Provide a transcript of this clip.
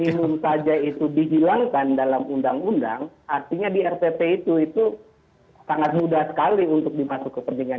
kalau kawasan kawasan lingkungan saja itu dihilangkan dalam undang undang artinya di rpp itu sangat mudah sekali untuk dimasuk ke perjalanan